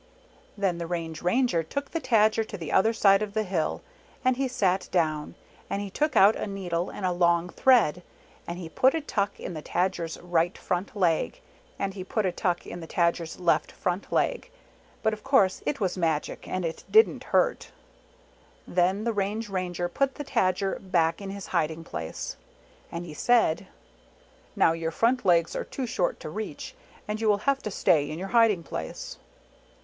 Then the Range Ranger took the Tajer to the other side of the hill ; and he sat down. And he took out a needle and a long thread, and he put a tuck in the Tajer's right front leg, and he put a tuck in the Tajer's left front leg. But of course it was magic, and it didn't hurt. Then the Range Ranger put the Tadger back in his hiding place. And he said, " Now your front legs are too short to reach, and you will have to stay in your hiding place."